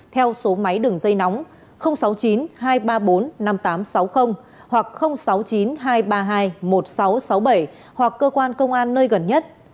theo số máy đường dây nóng sáu mươi chín hai trăm ba mươi bốn năm nghìn tám trăm sáu mươi hoặc sáu mươi chín hai trăm ba mươi hai một nghìn sáu trăm sáu mươi bảy hoặc cơ quan công an nơi gần nhất